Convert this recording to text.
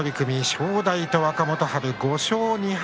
正代と若元春５勝２敗